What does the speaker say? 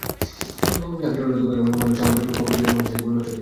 যার কারণে, তোমার মতো মানুষ, মাসাল খবর দিয়ে মানুষের জীবন নষ্ট করে।